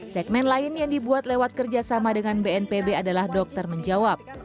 segmen lain yang dibuat lewat kerjasama dengan bnpb adalah dokter menjawab